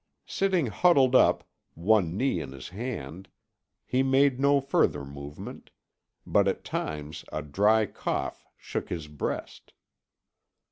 Sitting huddled up, one knee in his hand, he made no further movement, but at times a dry cough shook his breast.